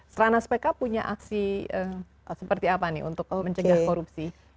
serana spk punya aksi seperti apa nih untuk mencegah korupsi di bidang beratnya